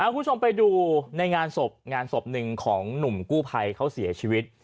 คุณผู้ชมไปดูในงานศพงานศพหนึ่งของหนุ่มกู้ภัยเขาเสียชีวิต